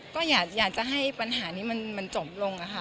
ก็อยากจะให้ปัญหานี้มันจบลงค่ะ